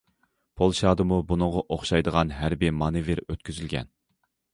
پولشادىمۇ بۇنىڭغا ئوخشايدىغان ھەربىي مانېۋىر ئۆتكۈزۈلگەن.